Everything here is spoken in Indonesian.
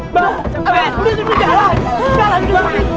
mbak mbak jalan jalan